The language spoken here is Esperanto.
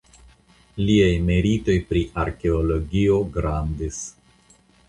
Liaj meritoj pri arkeologio grandis.